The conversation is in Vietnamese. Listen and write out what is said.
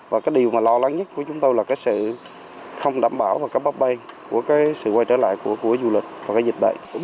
và cái điều mà lo lắng nhất của chúng tôi là cái sự không đảm bảo và cái bốc bay của cái sự quay trở lại của du lịch và cái dịch bệnh